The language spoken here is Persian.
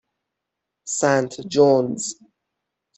سنت جونز